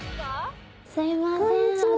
すいません。